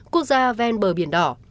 quốc gia ven bờ biển đỏ